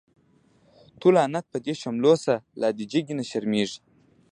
تو لعنت په دی شملو شه، لادی جگی نه شرمیږی